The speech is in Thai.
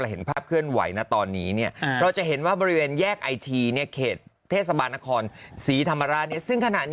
เจ้าหน้าที่ตำรวจได้ถอดหมวกการน็อตออก